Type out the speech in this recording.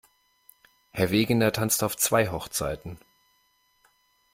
Herr Wegener tanzt auf zwei Hochzeiten.